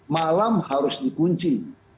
malam harus dikunci